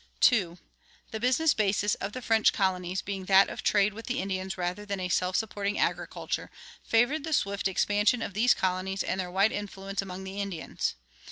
2. The business basis of the French colonies, being that of trade with the Indians rather than a self supporting agriculture, favored the swift expansion of these colonies and their wide influence among the Indians.